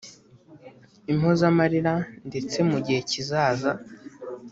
impozamarira ndetse mu gihe kizaza